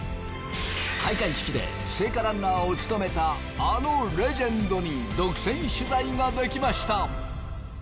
開会式で聖火ランナーを務めたあのレジェンドに独占取材ができました。